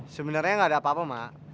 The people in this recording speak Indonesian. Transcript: sebenernya gak ada apa apa mak